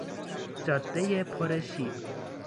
جادهی پر شیب